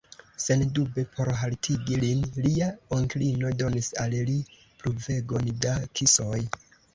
Sendube por haltigi lin, lia onklino donis al li pluvegon da kisoj.